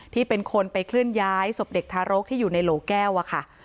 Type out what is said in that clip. ที่เป็นคนไปเคลื่อนย้ายศพเด็กทารกที่อยู่ในโหลแก้วอะค่ะ